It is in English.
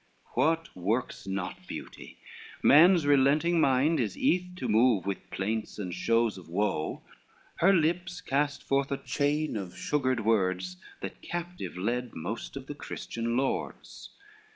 What works not beauty, man's relenting mind Is eath to move with plaints and shows of woe: Her lips cast forth a chain of sugared words, That captive led most of the Christian lords.